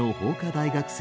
大学生？